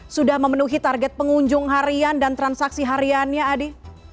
sudah memenuhi target pengunjung harian dan transaksi hariannya adi